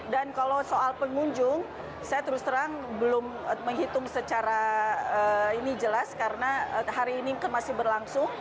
dan kalau soal pengunjung saya terus terang belum menghitung secara ini jelas karena hari ini masih berlangsung